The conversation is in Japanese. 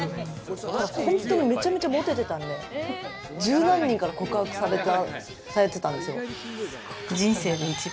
ほんとにめちゃめちゃモテてたんで、十何人から告白されてたんですよ。